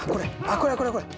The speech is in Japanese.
これやこれこれ。